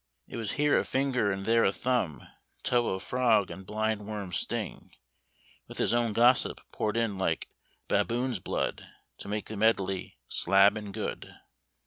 It was here a finger and there a thumb, toe of frog and blind worm's sting, with his own gossip poured in like "baboon's blood," to make the medley "slab and good."